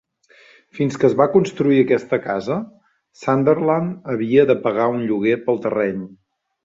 Fins que es va construir aquesta casa, Sunderland havia de pagar un lloguer pel terreny.